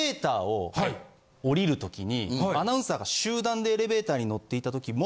降りるときにアナウンサーが集団でエレベーターに乗っていたときも。